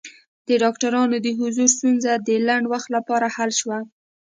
د ډاکټرانو د حضور ستونزه د لنډ وخت لپاره حل شوه.